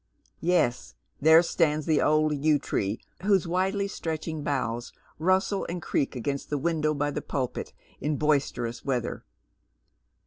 Yes, there stands the old yew tree, whose widely stretching boughs rustle and creak against the window by the pulpit in boisterous weather.